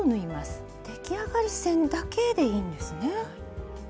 出来上がり線だけでいいんですね。